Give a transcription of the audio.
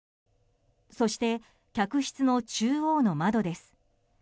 そして、客室の中央の窓です。